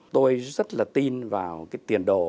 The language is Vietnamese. tôi rất là tin vào tiền đồ